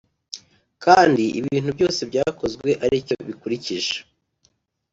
kandi ibintu byose byakozwe ari cyo bikurikije